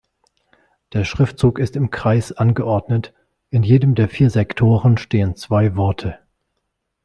Der Schriftzug ist im Kreis angeordnet, in jedem der vier Sektoren stehen zwei Worte.